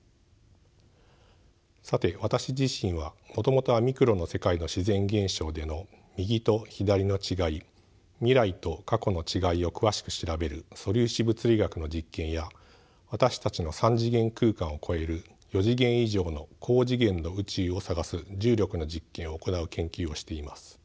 さて私自身はもともとはミクロの世界の自然現象での右と左の違い未来と過去の違いを詳しく調べる素粒子物理学の実験や私たちの３次元空間を超える４次元以上の高次元の宇宙を探す重力の実験を行う研究をしています。